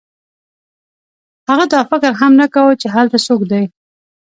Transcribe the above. هغه دا فکر هم نه کاوه چې هلته څوک دی